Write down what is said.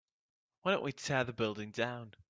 why don't we tear the building down?